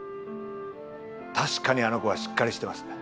確かにあの子はしっかりしてます。